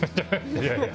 いやいや。